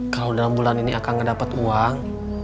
kalau dalam bulan ini akan gak dapet uang